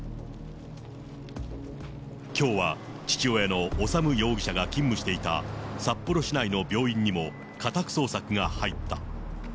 きょうは父親の修容疑者が勤務していた札幌市内の病院にも家宅捜索が入った。